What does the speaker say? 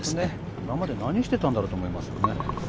今まで何してたんだろうと思いますね。